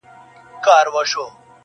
o درد چي سړی سو له پرهار سره خبرې کوي.